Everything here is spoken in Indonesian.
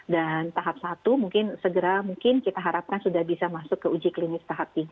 dan tahap satu mungkin segera kita harapkan sudah bisa masuk ke uji klinis tahap tiga